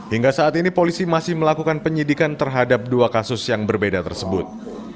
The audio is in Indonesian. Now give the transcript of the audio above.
hingga saat ini polisi masih melakukan penyidikan terhadap dua kasus yang berbeda tersebut